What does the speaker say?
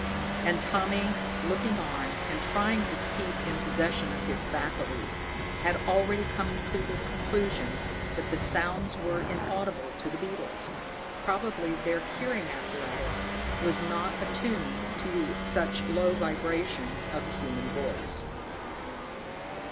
And Tommy, looking on, and trying to keep in possession of his faculties, had already come to the conclusion that the sounds were inaudible to the beetles. Probably their hearing apparatus was not attuned to such slow vibrations of the human voice.